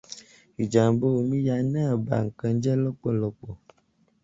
Ìjàmbá omíya náà ba ǹkan jẹ́ lọ́pọ̀lọpọ̀.